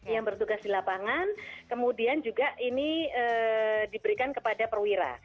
yang bertugas di lapangan kemudian juga ini diberikan kepada perwira